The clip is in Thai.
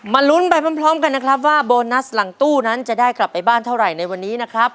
ลุ้นไปพร้อมกันนะครับว่าโบนัสหลังตู้นั้นจะได้กลับไปบ้านเท่าไหร่ในวันนี้นะครับ